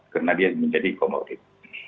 karena dia menjadi comorbid